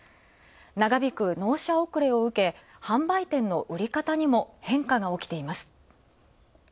長引く納車を受け、販売店の売り方にも変化が起きています。